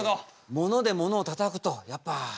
ものでものをたたくとやっぱ。